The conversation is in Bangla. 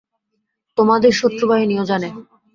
তোমাদের শত্রুবাহিনীও জানে।